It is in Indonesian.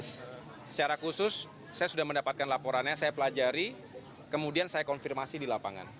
secara khusus saya sudah mendapatkan laporannya saya pelajari kemudian saya konfirmasi di lapangan